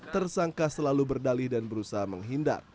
tersangka selalu berdalih dan berusaha menghindar